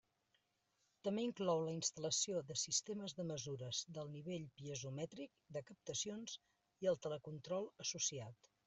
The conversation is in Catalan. També inclou la instal·lació de sistemes de mesura del nivell piezomètric de captacions i el telecontrol associat.